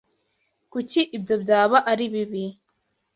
Kuki ibyo byaba ari bibi?